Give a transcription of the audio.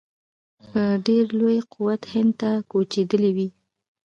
په ډېر لوی قوت هند ته کوچېدلي وي.